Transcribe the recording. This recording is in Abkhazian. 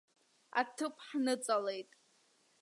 Аҭыԥ ҳныҵалеит.